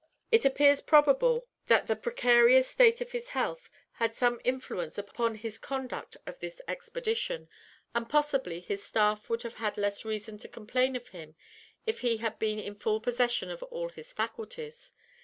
It appears probable that the precarious state of his health had some influence upon his conduct of this expedition, and possibly his staff would have had less reason to complain of him had he been in full possession of all his faculties.